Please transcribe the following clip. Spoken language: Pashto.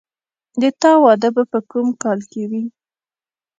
د تا واده به په کوم کال کې وي